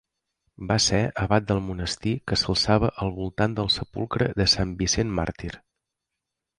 Va ser abat del monestir que s'alçava al voltant del sepulcre de Sant Vicent Màrtir.